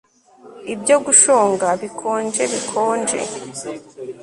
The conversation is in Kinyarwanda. Ibyo gushonga bikonjebikonje